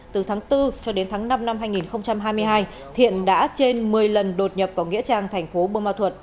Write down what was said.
từ tháng bốn cho đến tháng năm năm hai nghìn hai mươi hai thiện đã trên một mươi lần đột nhập vào nghĩa trang tp buôn ma thuật